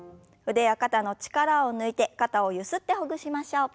腕や肩の力を抜いて肩をゆすってほぐしましょう。